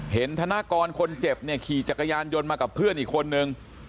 ธนากรคนเจ็บเนี่ยขี่จักรยานยนต์มากับเพื่อนอีกคนนึง